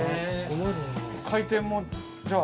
回転もじゃあ。